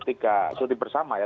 tiga cuti bersama ya